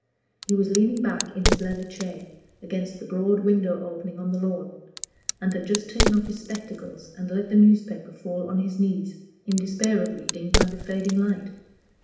He was leaning back in his leather chair, against the broad window opening on the lawn, and had just taken off his spectacles and let the newspaper fall on his knees, in despair of reading by the fading light.